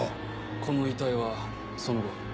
この遺体はその後。